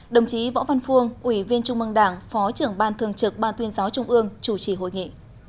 đồng chí võ văn phuông ủy viên trung mương đảng phó trưởng ban thường trực ban tuyên giáo trung ương chủ trì hội nghị